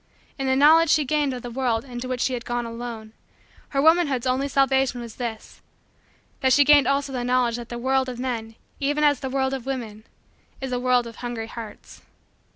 In the knowledge she gained of the world into which she had gone alone, her womanhood's only salvation was this: that she gained also the knowledge that the world of men, even as the world of women, is a world of hungry hearts.